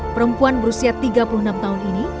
perempuan berusia tiga puluh enam tahun ini